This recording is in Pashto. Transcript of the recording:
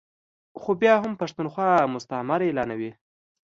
خو بیا هم پښتونخوا مستعمره اعلانوي ا